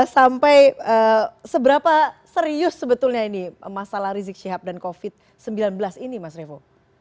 sampai seberapa serius sebetulnya ini masalah rizik syihab dan covid sembilan belas ini mas revo